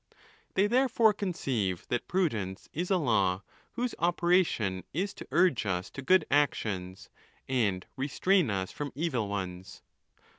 They therefore conceive that prudence is a law, hens | operation is to urge us to good actions, and restrain us from: evil ones.